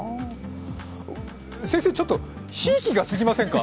先生、ちょっとひいきがすぎませんか？